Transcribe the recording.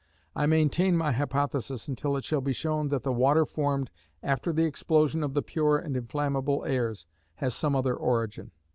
I maintain my hypothesis until it shall be shown that the water formed after the explosion of the pure and inflammable airs, has some other origin.